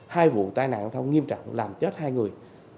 hai vụ tai nạn nghiêm trọng làm chết hai người